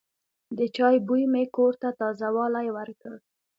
د چای بوی مې کور ته تازه والی ورکړ.